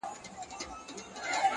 هغې ويل ته خو ضرر نه دی په کار!!